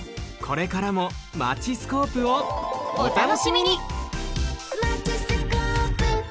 これからも「マチスコープ」をおたのしみに！